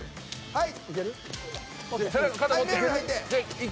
はい。